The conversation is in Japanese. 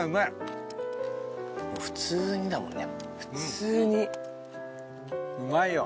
普通にだもんね。